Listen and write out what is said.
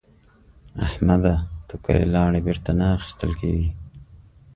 احمده؛ توکلې ناړې بېرته نه اخيستل کېږي.